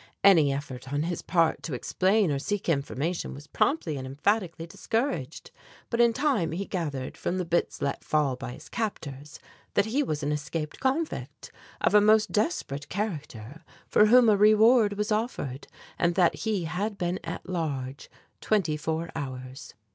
Any effort on his part to explain or seek information was promptly and emphatically discouraged. But in time he gathered, from the bits let fall by his captors, that he was an escaped convict, of a most desperate character, for whom a reward was offered, and that he had been at large twenty four hours.